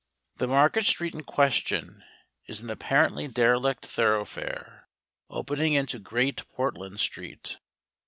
The Margaret Street in question is an apparently derelict thoroughfare, opening into Great Portland Street.